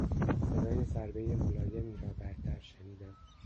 صدای ضربهی ملایمی را بر در شنیدم.